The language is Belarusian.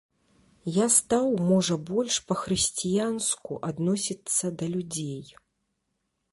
Я стаў можа больш па-хрысціянску адносіцца да людзей.